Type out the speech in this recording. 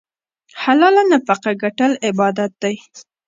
حلاله نفقه ګټل عبادت دی.